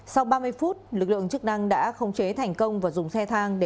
sau ba mươi phút lực lượng chức năng đã khống chế thành công và dùng xe thang